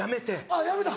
あっやめた。